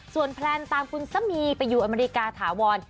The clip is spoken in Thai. ส่วนแพลนตามคุณซะมีไปอยู่อเมริกาถาวร